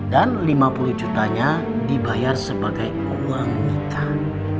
dan lima puluh jutanya dibayar sebagai uang nikah